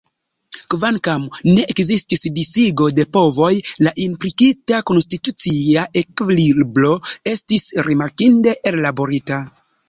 Kvankam ne ekzistis disigo de povoj, la implikita konstitucia ekvilibro estis rimarkinde ellaborita.